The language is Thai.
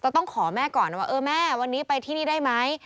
ต้องขอแม่ก่อนนะว่าเออแม่วันนี้ไปที่นี่ได้ไหม